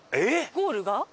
ゴールが？